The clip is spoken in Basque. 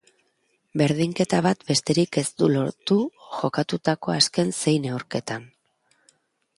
Berdinketa bat besterik ez du lortu jokatutako azken sei neurketetan.